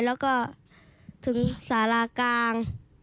แล้วก็ถึงสารากลาง